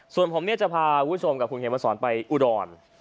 ส่วนผมเนี่ยจะพาคุณผู้ชมกับคุณเขมสอนไปอุดร